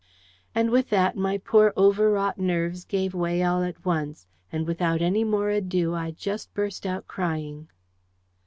And with that my poor overwrought nerves gave way all at once, and without any more ado I just burst out crying.